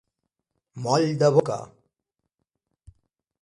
Moll de boca.